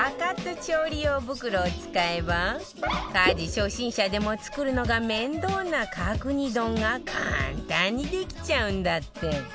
調理用袋を使えば家事初心者でも作るのが面倒な角煮丼が簡単にできちゃうんだって